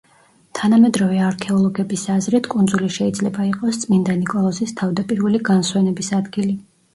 თანამედროვე არქეოლოგების აზრით, კუნძული შეიძლება იყოს წმინდა ნიკოლოზის თავდაპირველი განსვენების ადგილი.